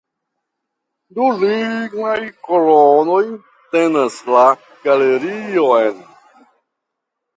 Du lignaj kolonoj tenas la galerion.